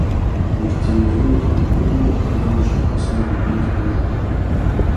د اجتماعي واقعیتونو په اړه مشخص معلومات ولرئ.